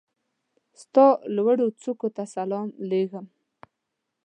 ستا لوړوڅوکو ته سلام لېږم